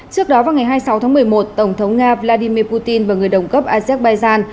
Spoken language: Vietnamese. trước đó vào ngày hai mươi sáu tháng một mươi một tổng thống nga vladimir putin và người đồng cấp azerbaijan